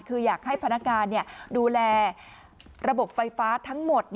คืออยากให้พนักงานดูแลระบบไฟฟ้าทั้งหมด